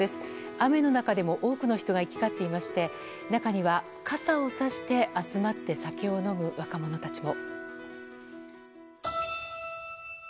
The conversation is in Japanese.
雨の中でも多くの人が行き交っていまして中には、傘をさして集まって酒を飲む若者たちも。